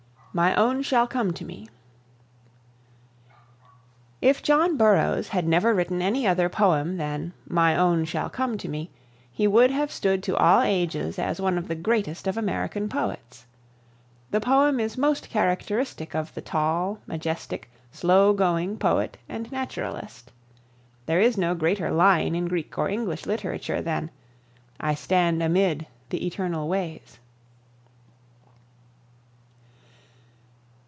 MY OWN SHALL COME TO ME. If John Burroughs (1837 ) had never written any other poem than "My Own Shall Come to Me," he would have stood to all ages as one of the greatest of American poets. The poem is most characteristic of the tall, majestic, slow going poet and naturalist. There is no greater line in Greek or English literature than "I stand amid the eternal ways."